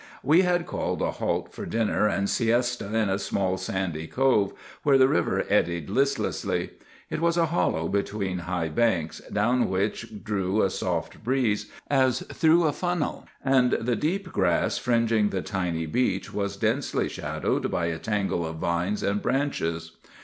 "We had called a halt for dinner and siesta in a little sandy cove, where the river eddied listlessly. It was a hollow between high banks, down which drew a soft breeze as through a funnel, and the deep grass fringing the tiny beach was densely shadowed by a tangle of vines and branches.